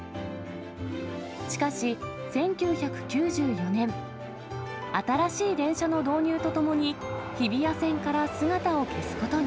しかし、１９９４年、新しい電車の導入とともに、日比谷線から姿を消すことに。